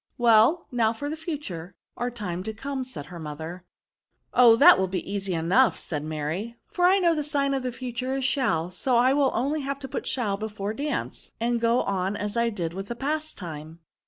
" Well, now for the future, or time to come," said her mother. " Oh ! that will be easy enough," said VERBS. 3# Mary ;for I know the sign of the future is shall; so I have only to put shall before dance, and go on as I did with the past time."